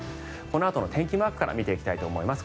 このあとの天気マークから見ていきたいと思います。